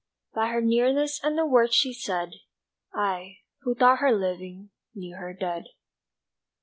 By her nearness and the word she said, I, who thought her living, Knew her dead.